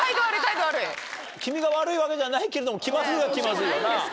君が悪いわけじゃないけれども気まずいは気まずいわな。